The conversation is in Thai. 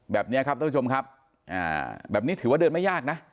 แบบนี้ครับท่านผู้ชมครับแบบนี้ถือว่าเดินไม่ยากนะ